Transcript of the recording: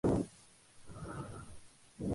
A la mañana siguiente me levanto como '¡wow!